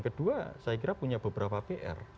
kedua saya kira punya beberapa pr